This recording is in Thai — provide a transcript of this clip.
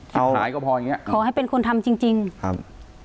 ขายก็พออย่างเงี้ขอให้เป็นคนทำจริงจริงครับ